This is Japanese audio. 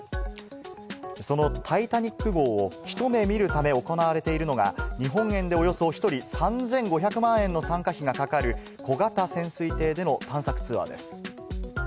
タイタニック号を一目見るため行われているのが、日本円でおよそ１人３５００万円の参加費がかかる小型潜水艇での探索ツアーです。